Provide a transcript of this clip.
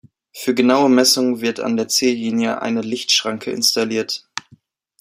Für genaue Messungen wird an der Ziellinie eine Lichtschranke installiert.